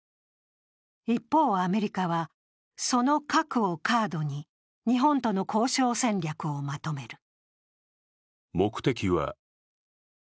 一方、アメリカはその核をカードに日本との交渉戦略をまとめる。